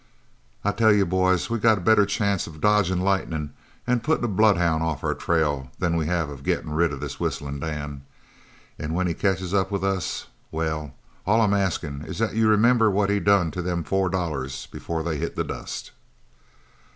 "I tell you, boys, we got a better chance of dodgin' lightnin' an' puttin' a bloodhound off our trail than we have of gettin' rid of this Whistlin' Dan. An' when he catches up with us well, all I'm askin' is that you remember what he done to them four dollars before they hit the dust?"